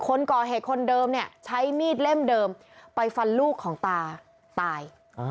คนก่อเหตุคนเดิมเนี่ยใช้มีดเล่มเดิมไปฟันลูกของตาตาย